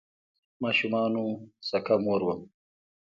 ماشومانو سکه مور وم